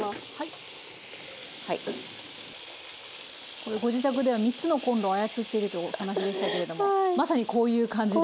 これご自宅では３つのコンロを操っているというお話でしたけれどもまさにこういう感じで。